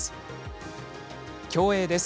競泳です。